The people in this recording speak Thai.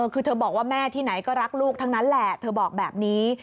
คือเธอบอกว่าแม่ที่ไหนก็รักลูกทั้งนั้นแหละเธอบอกแบบนี้